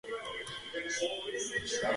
ბევრს მოგზაურობდა ევროპაში.